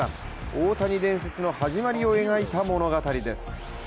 大谷伝説の始まりを描いた物語です。